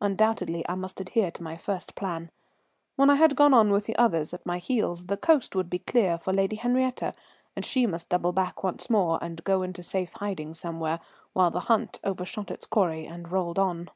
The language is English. Undoubtedly I must adhere to my first plan. When I had gone on with the others at my heels, the coast would be clear for Lady Henriette, and she must double back once more and go into safe hiding somewhere, while the hunt overshot its quarry and rolled on.